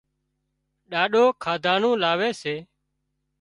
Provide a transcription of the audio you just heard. ڏاڏو کاڌا نُون لاوي سي